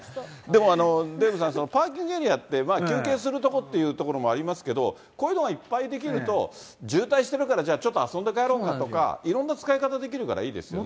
でも、デーブさん、パーキングエリアって、休憩する所っていうところもありますけど、こういうのがいっぱい出来ると、渋滞してるからじゃあ、遊んで帰ろうかとか、いろんな使い方できるからいいですよね。